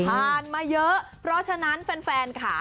มาเยอะเพราะฉะนั้นแฟนค่ะ